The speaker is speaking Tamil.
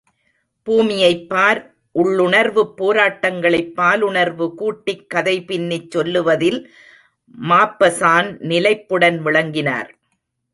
பூமியைப் பார்! உள்ளுணர்வுப் போராட்டங்களைப் பாலுணர்வு கூட்டிக் கதை பின்னிச் சொல்லுவதில் மாப்பஸான் நிலைப்புடன் விளங்கினார்.